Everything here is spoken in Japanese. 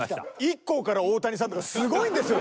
ＩＫＫＯから大谷さんとかすごいんですよ。